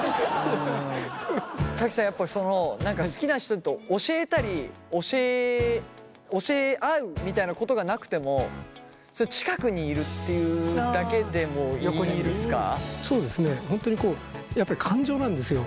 やっぱり好きな人と教えたり教え合うみたいなことがなくても近くにいるっていうだけでもいいんですか？